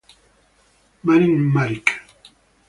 Marin Marić